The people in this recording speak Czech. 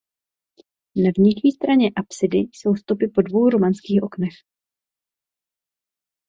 Na vnější straně apsidy jsou stopy po dvou románských oknech.